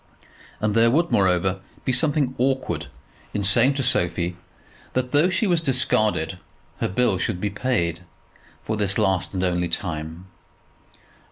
And there would, moreover, be something awkward in saying to Sophie that, though she was discarded, her bill should be paid for this last and only time.